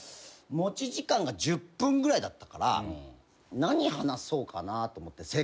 持ち時間が１０分ぐらいだったから何話そうかなと思って。